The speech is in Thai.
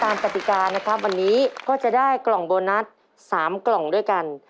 กติกานะครับวันนี้ก็จะได้กล่องโบนัส๓กล่องด้วยกัน